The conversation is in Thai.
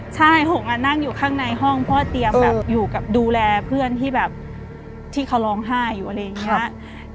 ใช่หงษ์นั่งอยู่ข้างในห้องเพราะว่าเตรียมอยู่ดูแลเพื่อนที่เขาร้องไห้อยู่อะไรอย่างนี้